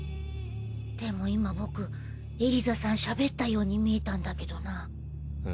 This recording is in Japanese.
でも今僕エリザさんしゃべったように見えたんだけどな。